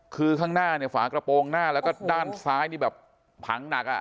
คือข้างหน้าเนี่ยฝากระโปรงหน้าแล้วก็ด้านซ้ายนี่แบบผังหนักอ่ะ